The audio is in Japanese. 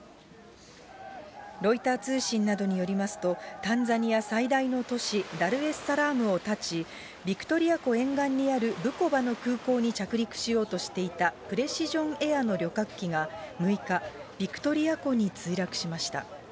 ロイター通信などによりますと、タンザニア最大の都市ダルエッサラームを発ち、ビクトリア湖沿岸にあるブコバの空港に着陸しようとしていたプレシジョン・エアの旅客機が６日、ビクトリア湖に墜落しました。